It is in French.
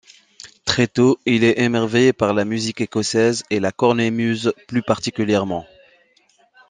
Très tôt, il est émerveillé par la musique écossaise et la cornemuse plus particulièrement.